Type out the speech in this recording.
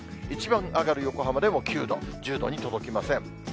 一番上がる横浜でも９度、１０度に届きません。